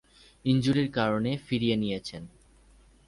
ইনজুরির কারণে ফিরিয়ে নিয়েছেন